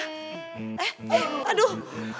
eh eh aduh